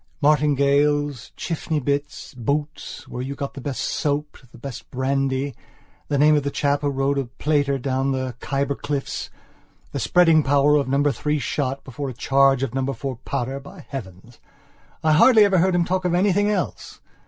Martingales, Chiffney bits, boots; where you got the best soap, the best brandy, the name of the chap who rode a plater down the Khyber cliffs; the spreading power of number three shot before a charge of number four powder... by heavens, I hardly ever heard him talk of anything else.